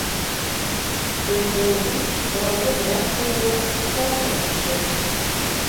- Көнһылыуҙың һорауҙы былай ҡуйыуы аптырата төштө.